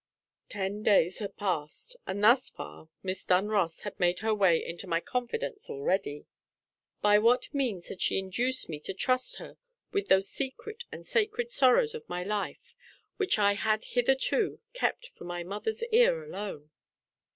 Ten days had passed; and thus far Miss Dunross had made her way into my confidence already! By what means had she induced me to trust her with those secret and sacred sorrows of my life which I had hitherto kept for my mother's ear alone?